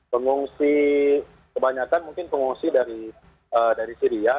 pengungsi kebanyakan mungkin pengungsi dari syria